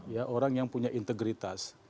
ya orang yang punya integritas